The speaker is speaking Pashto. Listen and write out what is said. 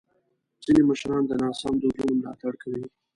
ځینې مشران د ناسم دودونو ملاتړ کوي.